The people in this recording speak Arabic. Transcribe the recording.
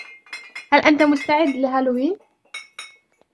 هل أنت مستعد لهالوين ؟